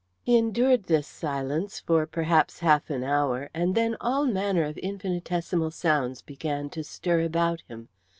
He endured this silence for perhaps half an hour, and then all manner of infinitesimal sounds began to stir about him.